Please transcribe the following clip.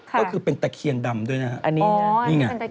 ก็คือเป็นตะเคียนดำด้วยนะฮะนี่ไง